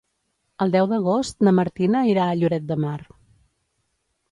El deu d'agost na Martina irà a Lloret de Mar.